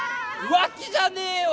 浮気じゃねえよ！